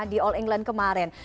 di all england kemarin